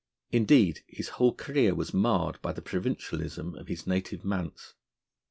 Indeed, his whole career was marred by the provincialism of his native manse.